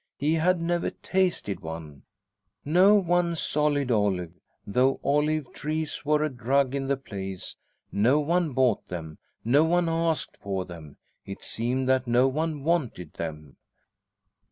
He had never tasted one. No one sold olives, though olive trees were a drug in the place; no one bought them, no one asked for them; it seemed that no one wanted them.